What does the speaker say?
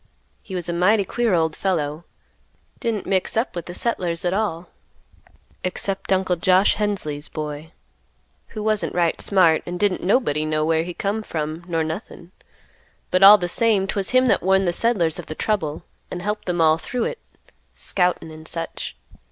He was a mighty queer old fellow; didn't mix up with the settlers at all, except Uncle Josh Hensley's boy who wasn't right smart, and didn't nobody know where he come from nor nothing; but all the same, 'twas him that warned the settlers of the trouble, and helped them all through it, scoutin' and such.